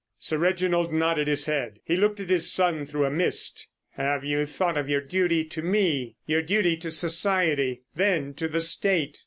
Sir Reginald nodded his head. He looked at his son through a mist. "Have you thought of your duty to me? Your duty to society, then—to the State?"